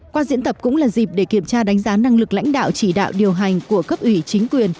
qua diễn tập cũng là dịp để kiểm tra đánh giá năng lực lãnh đạo chỉ đạo điều hành của cấp ủy chính quyền